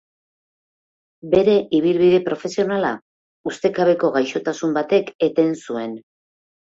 Bere ibilbide profesionala ustekabeko gaixotasun batek eten zuen.